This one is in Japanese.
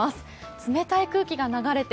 冷たい空気が流れて